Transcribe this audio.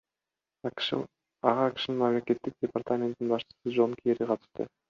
Ага АКШнын Мамлекеттик департаментинин башчысы Жон Керри катышты.